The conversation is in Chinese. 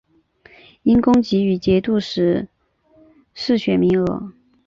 因功给予节度使世选名额。